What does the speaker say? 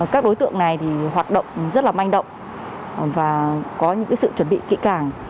các đối tượng này hoạt động rất là manh động và có những sự chuẩn bị kỹ càng